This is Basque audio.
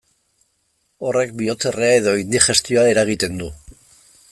Horrek bihotzerrea edo indigestioa eragiten du.